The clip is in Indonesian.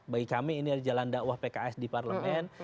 bagi kami ini adalah jalan dakwah pks di parlemen